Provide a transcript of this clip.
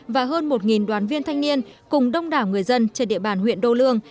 và hơn một đoàn viên thanh niên cùng đông đảo người dân trên địa bàn huyện đô lương